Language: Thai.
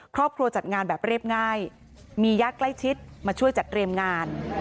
จัดงานแบบเรียบง่ายมีญาติใกล้ชิดมาช่วยจัดเตรียมงาน